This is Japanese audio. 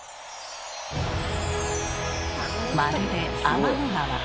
まるで天の川。